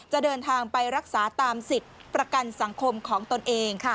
จะเดินทางไปรักษาตามสิทธิ์ประกันสังคมของตนเอง